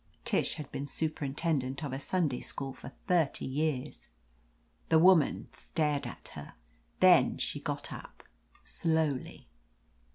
Tish had been superintendent of a Sunday school for thirty years. The woman stared at her. Then she got up slowly.